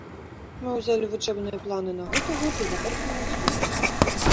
Мы ўзялі вучэбныя планы на гэты год і, відаць, на наступны.